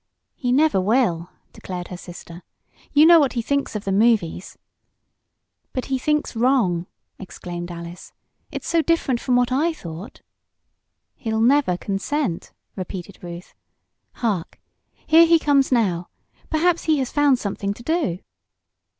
"He never will," declared her sister. "You know what he thinks of the movies." "But he thinks wrong!" exclaimed Alice. "It's so different from what I thought." "He'll never consent," repeated Ruth. "Hark! Here he comes now. Perhaps he has found something to do."